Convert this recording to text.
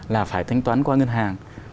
là phải thanh toán qua ngân hàng